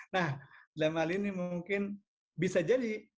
nah dalam hal ini mungkin bisa jadi